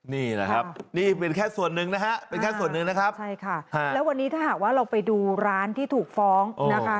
นี่นะครับนี่เป็นแค่ส่วนหนึ่งนะฮะเป็นแค่ส่วนหนึ่งนะครับใช่ค่ะแล้ววันนี้ถ้าหากว่าเราไปดูร้านที่ถูกฟ้องนะคะ